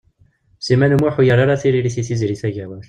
Sliman U Muḥ ur yerri ara tiririt i Tiziri Tagawawt.